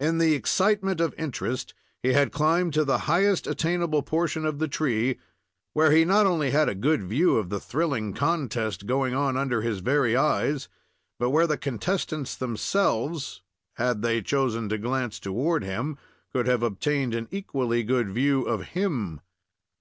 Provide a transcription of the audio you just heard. In the excitement of interest, he had climbed to the highest attainable portion of the tree, where he not only had a good view of the thrilling contest going on under his very eyes, but where the contestants themselves, had they chosen to glance toward him, could have obtained an equally good view of him.